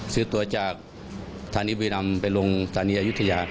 ซื้อตัวจากฐานิวีรำไปลงฐานีอยุธิญา